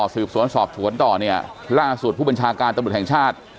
สืบสวนสอบสวนต่อเนี่ยล่าสุดผู้บัญชาการตำรวจแห่งชาติ